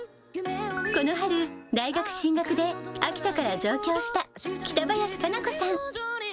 この春、大学進学で秋田から上京した北林可奈子さん。